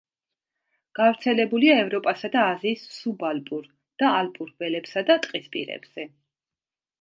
გავრცელებულია ევროპასა და აზიის სუბალპურ და ალპურ ველებსა და ტყისპირებზე.